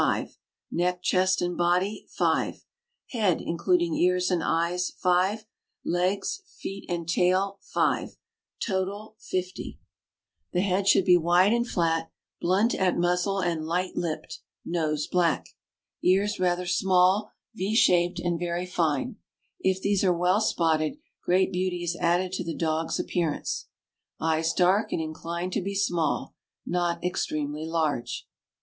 5 Color, markings, and coat 25 Legs, feet, and tail 5 Neck, chest, and body 5 — Total 50 The head should be wide and flat, blunt at muzzle, and light lipped; nose black. Ears rather small, V shaped, and very fine. If these are well spotted, great beauty is added to the dog's appear ance. Eyes dark, and inclined to be small, not extremely large.